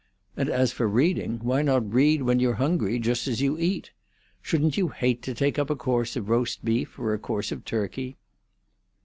And as for reading, why not read when you're hungry, just as you eat? Shouldn't you hate to take up a course of roast beef, or a course of turkey?"